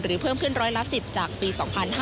เพิ่มขึ้นร้อยละ๑๐จากปี๒๕๕๙